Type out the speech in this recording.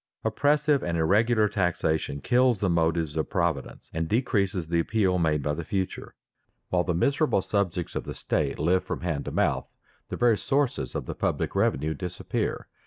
Oppressive and irregular taxation kills the motives of providence, and decreases the appeal made by the future. While the miserable subjects of the state live from hand to mouth, the very sources of the public revenue disappear.